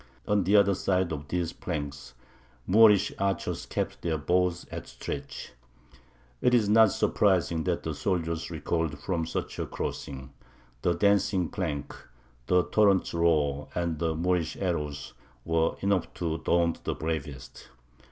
On the other side of these planks Moorish archers kept their bows at stretch. It is not surprising that the soldiers recoiled from such a crossing; the dancing plank, the torrent's roar, and the Moorish arrows, were enough to daunt the bravest.